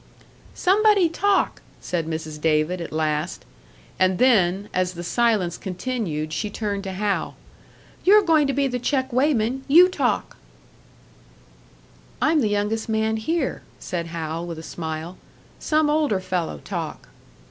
"Somebody talk," said Mrs. David at last; and then, as the silence continued, she turned to Hal. "You're going to be the check weighman. You talk." "I'm the youngest man here," said Hal, with a smile. "Some older fellow talk."